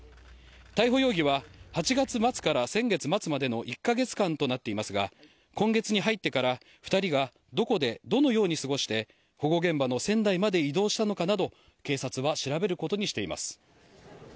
逮捕容疑は８月末から先月末までの１か月間となっていますが今月に入ってから２人がどこで、どのように過ごして保護現場の仙台まで移動したのかなど